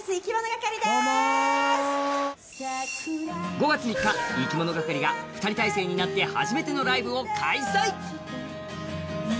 ５月３日、いきものがかりが２人体制になって初めてのライブを開催！